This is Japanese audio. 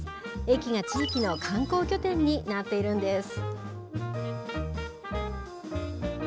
駅が地域の観光拠点になっているんです。